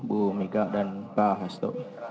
bu mika dan pak hasto